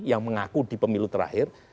yang mengaku di pemilu terakhir